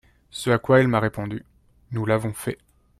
Ce à quoi il m’a répondu, nous l’avons fait.